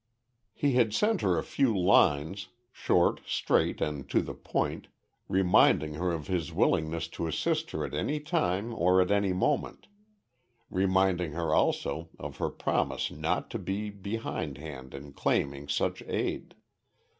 He had sent her a few lines short, straight, and to the point reminding her of his willingness to assist her at any time or at any moment, reminding her also of her promise not to be behindhand in claiming such aid.